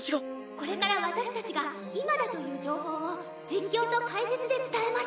これから私たちが「今だ」という情報を実況と解説で伝えます。